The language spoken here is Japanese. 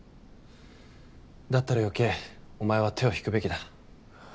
だったら余計おまえは手を引くべきだ。